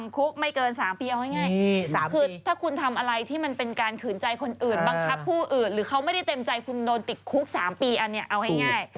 คือถ้าคุณทำอะไรที่มันเป็นการขืนใจคนอื่นบังคับผู้อื่นหรือเขาไม่ได้เต็มใจคุณโดนติดคุก๓ปีอันนี้เอาให้ง่าย